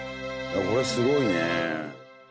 これはすごいね。